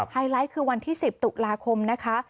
ไลท์คือวันที่๑๐ตุลาคมนะคะ